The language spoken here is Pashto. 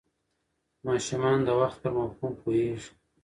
ماشومان د وخت پر مفهوم پوهېږي.